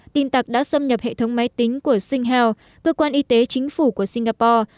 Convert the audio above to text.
tin tặc đã xâm nhập hệ thống máy tính của singhealth cơ quan y tế chính phủ của singapore